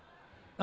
あ。